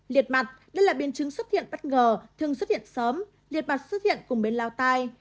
liệt mặt đây là biến chứng xuất hiện bất ngờ thường xuất hiện sớm liệt mặt xuất hiện cùng bên lao tai